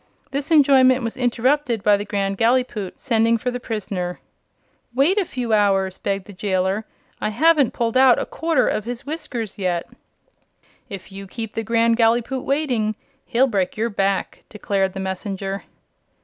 This enjoyment was interrupted by the Grand Gallipoot sending for the prisoner. "Wait a few hours," begged the jailer. "I haven't pulled out a quarter of his whiskers yet." "If you keep the Grand Gallipoot waiting, he'll break your back," declared the messenger.